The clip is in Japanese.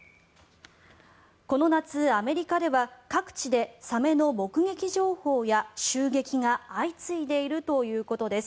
この夏、アメリカでは各地でサメの目撃情報や襲撃が相次いでいるということです。